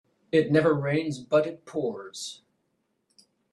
It never rains but it pours.